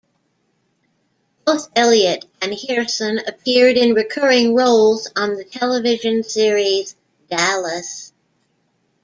Both Elliott and Hirson appeared in recurring roles on the television series "Dallas".